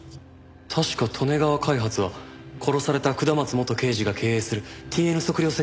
確か利根川開発は殺された下松元刑事が経営するＴＮ測量設計の親会社です。